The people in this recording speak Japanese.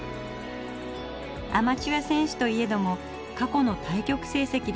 アマチュア選手といえども過去の対局成績ではほぼごかく。